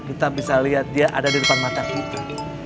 kita bisa lihat dia ada di depan mata kita